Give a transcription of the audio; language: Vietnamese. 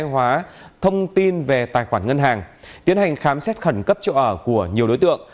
hóa thông tin về tài khoản ngân hàng tiến hành khám xét khẩn cấp chỗ ở của nhiều đối tượng